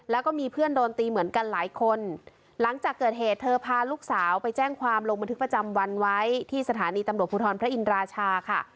แล้วก็มีเพื่อนโดนตีเหมือนกันหลายคนหลังจากเกิดเหตุเธอพาลูกสาวไปแจ้งความลงบันทึกประจำวันไว้ที่สถานีตำรวจภูทรพระอินราชาค่ะ